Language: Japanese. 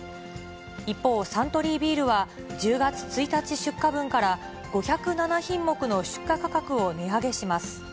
一方、サントリービールは、１０月１日出荷分から、５０７品目の出荷価格を値上げします。